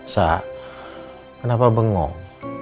sa kenapa bengong